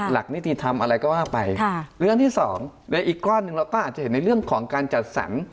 หลักนิติธรรมอะไรก็ว่าไปค่ะเรื่องที่สองในอีกก้อนหนึ่งเราก็อาจจะเห็นในเรื่องของการจัดสรร